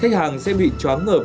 khách hàng sẽ bị chóng ngợp